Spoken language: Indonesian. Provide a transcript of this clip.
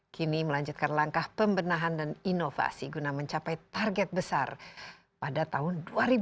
kini melanjutkan langkah pembenahan dan inovasi guna mencapai target besar pada tahun dua ribu dua puluh